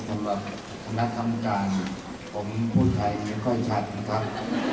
ขอบคุณสำหรับคณะทำการผมพูดไทยไม่ค่อยชัดนะครับ